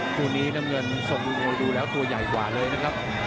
คู่นี้น้ำเงินทรงมวยดูแล้วตัวใหญ่กว่าเลยนะครับ